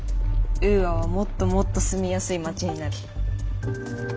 ウーアはもっともっと住みやすい街になる。